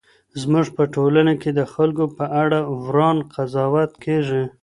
زموږ په ټولنه کي د خلګو په اړه وران قضاوت کېږي.